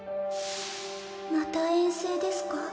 また遠征ですか？